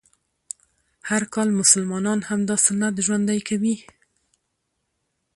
هر کال مسلمانان همدا سنت ژوندی کوي